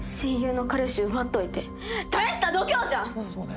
そうね。